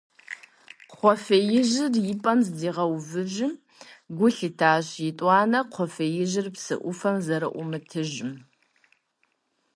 Кхъуафэжьейр и пӀэм здигъэувыжым, гу лъитащ етӀуанэ кхъуафэжьейр псы Ӏуфэм зэрыӀумытыжым.